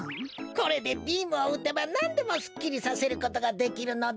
これでビームをうてばなんでもすっきりさせることができるのだ。